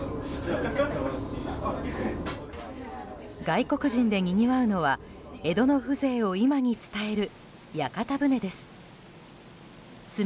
外国人でにぎわうのは江戸の風情を今に伝える屋形船です。